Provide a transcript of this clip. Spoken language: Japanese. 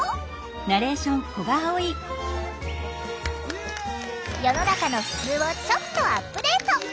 目指すは世の中のふつうをちょっとアップデート！